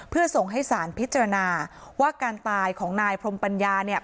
เพื่อส่งให้สารพิจารณาว่าการตายของนายพรมปัญญาเนี่ย